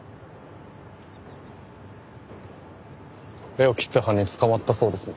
絵を切った犯人捕まったそうですね。